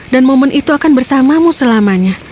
dan momen itu akan bersamamu selamanya